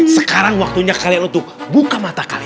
sekarang waktunya kalian untuk buka mata kalian